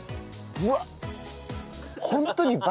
うわっ！